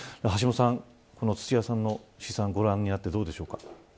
橋下さん、この土谷さんの試算をご覧になってどうでしょうか。